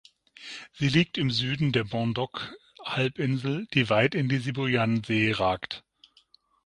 Sie liegt im Süden der Bondoc-Halbinsel, die weit in die Sibuyan-See ragt.